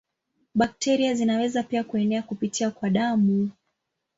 Bakteria zinaweza pia kuenea kupitia kwa damu.